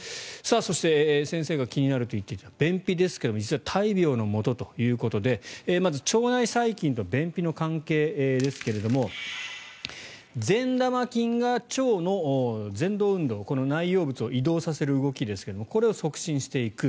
そして、先生が気になると言っていた便秘ですけれど実は大病のもとということでまず腸内細菌と便秘の関係ですが善玉菌が腸のぜん動運動内容物を移動させる動きですけどこれを促進していく。